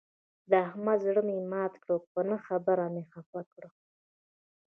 د احمد زړه مې مات کړ، په نه خبره مې خپه کړ.